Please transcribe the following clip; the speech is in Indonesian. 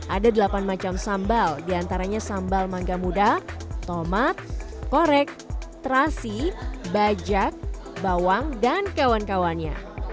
ada delapan macam sambal diantaranya sambal mangga muda tomat korek terasi bajak bawang dan kawan kawannya